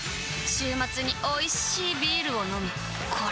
週末においしいビールを飲むあたまらんっ